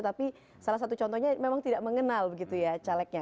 tapi salah satu contohnya memang tidak mengenal begitu ya calegnya